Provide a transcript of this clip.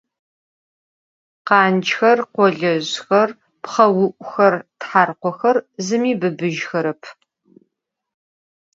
Khancxer, kholezjxer, pxheu'uxer, tharkhoxer zımi bıbıjxerep.